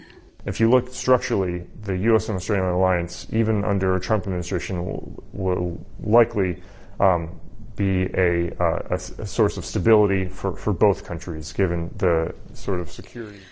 jika anda melihat secara struktural perjanjian australia dan amerika bahkan di bawah pemerintahan trump akan berpengaruh untuk stabilitas bagi kedua negara